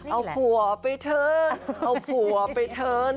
เอาผัวไปเถอะเอาผัวไปเทิร์น